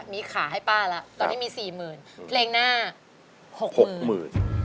ตอนนี้มี๔๐๐๐๐บาทเพลงหน้า๖๐๐๐๐บาท